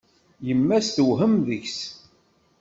Yemma-s tewhem deg-s.